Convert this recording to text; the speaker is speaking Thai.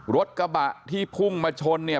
รถกระบะที่พุ่งมาชนเนี่ย